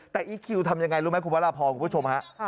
แต่อีคิวทำยังไงรู้ไหมคุณพระราพรคุณผู้ชมฮะ